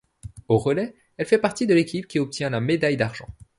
Au relais, elle fait partie de l'équipe qui obtient la médaille d'argent.